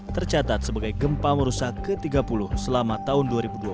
tercatat sebagai gempa merusak ke tiga puluh selama tahun dua ribu dua puluh